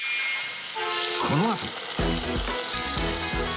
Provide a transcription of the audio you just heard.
このあと